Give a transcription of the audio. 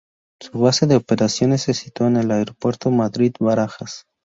Su base de operaciones se sitúa en el Aeropuerto de Madrid-Barajas.